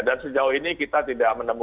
dan sejauh ini kita sudah bisa mengikuti